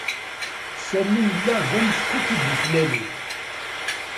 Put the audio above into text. Sami yella d ameckuk i d-yeflalin.